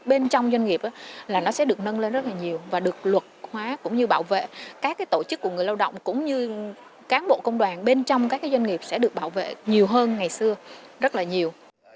bên trong doanh nghiệp là nó sẽ được nâng lên rất là nhiều và được luật hóa cũng như bảo vệ các tổ chức của người lao động cũng như cán bộ công đoàn bên trong các doanh nghiệp sẽ được bảo vệ nhiều hơn ngày xưa rất là nhiều